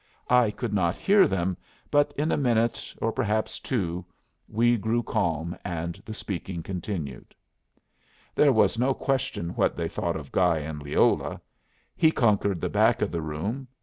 I could not hear them, but in a minute, or perhaps two, we grew calm, and the speaking continued. There was no question what they thought of Guy and Leola. He conquered the back of the room.